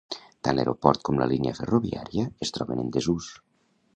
Tant l'aeroport com la línia ferroviària es troben en desús.